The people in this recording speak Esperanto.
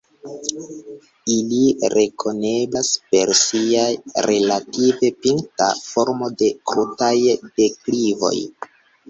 Ili rekoneblas per sia relative pinta formo de krutaj deklivoj.